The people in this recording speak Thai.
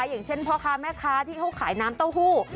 อย่างเช่นพ่อค้าแม่ค้าที่เขาขายน้ำเต้าหู้